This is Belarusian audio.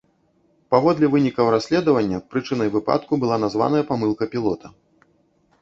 Паводле вынікаў расследавання прычынай выпадку была названая памылка пілота.